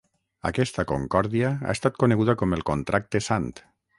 Aquesta concòrdia ha estat coneguda com el Contracte Sant.